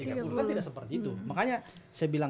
kan tidak seperti itu